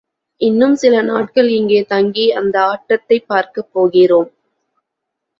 இன்னும் சில நாள்கள் இங்கே தங்கி அந்த ஆட்டத்தைப் பார்க்கப் போகிறோம்.